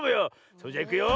それじゃいくよ。